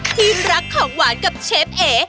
ที่รักของหวานกับเชฟเอ